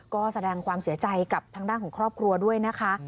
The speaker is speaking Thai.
ก็แสดงความเสียใจกับทางด้านของครอบครัวด้วยนะคะ